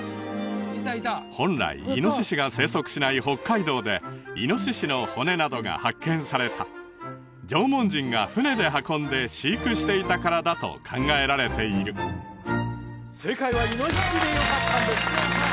本来イノシシが生息しない北海道でイノシシの骨などが発見された縄文人が舟で運んで飼育していたからだと考えられている正解は「イノシシ」でよかったんです